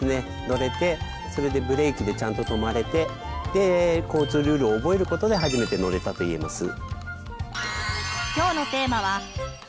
乗れてそれでブレーキでちゃんと止まれてで交通ルールを覚えることで初めて乗れたと言えます。